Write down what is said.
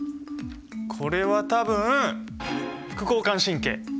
これは多分副交感神経！